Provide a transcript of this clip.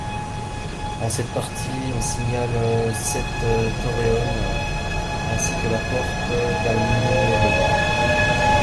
En cette partie on signale sept torreones ainsi que la Porte d'Almodóvar.